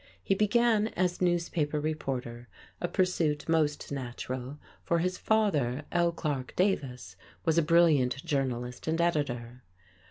He began as newspaper reporter, a pursuit most natural, for his father, L. Clarke Davis, was a brilliant journalist and editor.